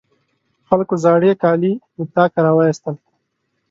خلکو زاړې کالي له طاقه راواېستل.